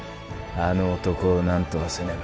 あの男をなんとかせねば。